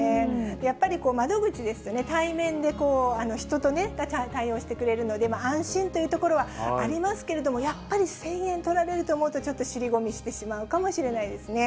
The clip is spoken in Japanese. やっぱり窓口ですとね、対面で人と対応してくれるので、安心というところはありますけれども、やっぱり１０００円取られると思うと、しり込みしてしまうかもしれないですね。